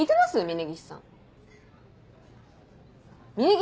峰岸さん？